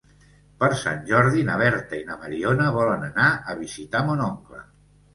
Per Sant Jordi na Berta i na Mariona volen anar a visitar mon oncle.